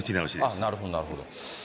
なるほどなるほど。